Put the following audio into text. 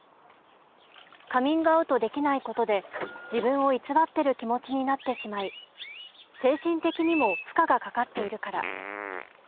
カミングアウトできないことで自分を偽っている気持ちになってしまい精神的にも負荷がかかっているから。